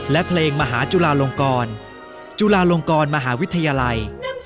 และเพลงมหาจุลาลงกรจุฬาลงกรมหาวิทยาลัย